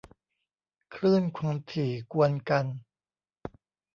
คลื่นความถี่กวนกัน